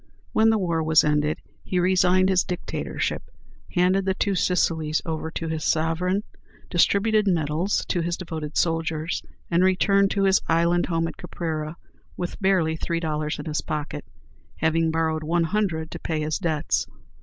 When the war was ended, he resigned his Dictatorship, handed the two Sicilies over to his sovereign, distributed medals to his devoted soldiers, and returned to his island home at Caprera, with barely three dollars in his pocket, having borrowed one hundred to pay his debts.